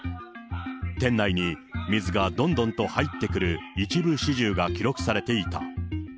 店内に水がどんどんと入ってくる一部始終が記録されていた。